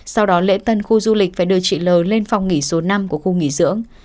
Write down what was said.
sau đó lễ tân khu du lịch phải đưa chị l lên phòng nghỉ số năm của khu nghỉ dưỡng